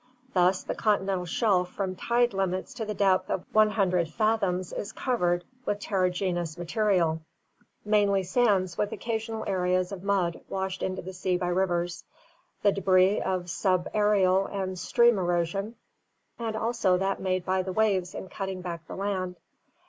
Thus the continental shelf from tide limits to the depth of 100 fathoms is covered with terrig enous materials, mainly sands with occasional areas of mud washed into the sea by rivers, the debris of subaerial and stream erosion, and also that made by the waves in cutting back the land.